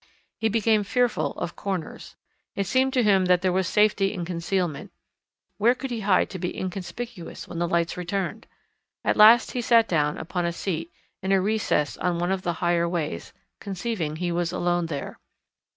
He became fearful of corners. It seemed to him that there was safety in concealment. Where could he hide to be inconspicuous when the lights returned? At last he sat down upon a seat in a recess on one of the higher ways, conceiving he was alone there.